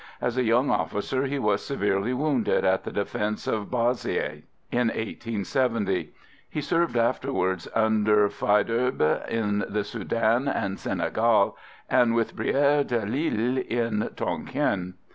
As a young officer he was severely wounded at the defence of Bazeille in 1870. He served afterwards under Faidherbe in the Soudan and Senegal, and with Brière de l'Isle in Tonquin.